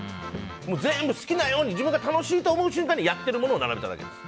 全部好きなように自分が楽しい瞬間にやってるものを並べただけです。